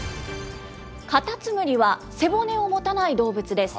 カタツムリは背骨を持たない動物です。